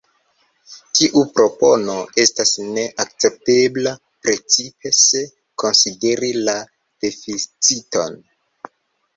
Tiu propono estas ne akceptebla, precipe se konsideri la deficiton.